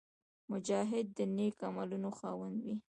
مجاهد د نېک عملونو خاوند وي.